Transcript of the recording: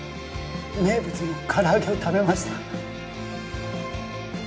名物の唐揚げを食べました